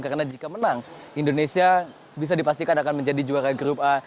karena jika menang indonesia bisa dipastikan akan menjadi juara grup a